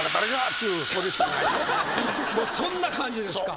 もうそんな感じですか。